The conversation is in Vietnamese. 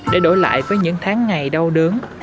để đổi lại với những tháng ngày đau đớn